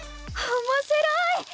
おもしろい！